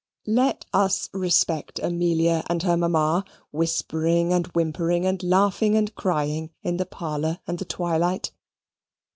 Let us respect Amelia and her mamma whispering and whimpering and laughing and crying in the parlour and the twilight.